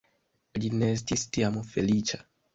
Li ne estis tiam feliĉa.